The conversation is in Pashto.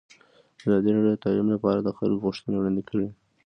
ازادي راډیو د تعلیم لپاره د خلکو غوښتنې وړاندې کړي.